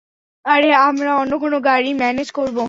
আরে, আমরা অন্য কোনো গাড়ি ম্যানেজ করবো।